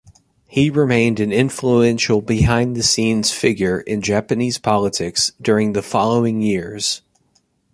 He remained an influential behind-the-scenes figure in Japanese politics during the following years.